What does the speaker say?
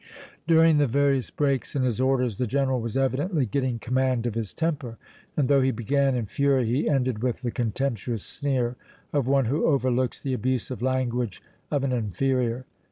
During the various breaks in his orders, the General was evidently getting command of his temper; and though he began in fury, he ended with the contemptuous sneer of one who overlooks the abusive language of an inferior.